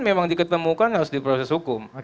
memang diketemukan harus diproses hukum